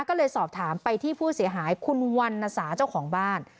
ก็เลยสอบถามไปที่ผู้เสียหายคุณวันนสาเจ้าของบ้าน